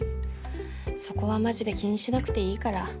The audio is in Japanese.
そこはマジで気にしなくていいから。